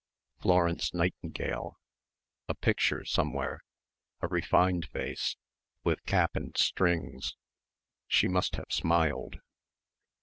Florence Nightingale; a picture somewhere; a refined face, with cap and strings.... She must have smiled....